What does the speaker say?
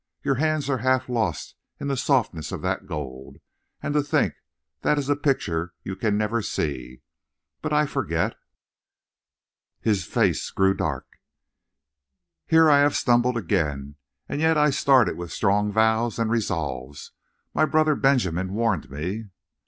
Your hands are half lost in the softness of that gold. And to think that is a picture you can never see! But I forget." His face grew dark. "Here I have stumbled again, and yet I started with strong vows and resolves. My brother Benjamin warned me!"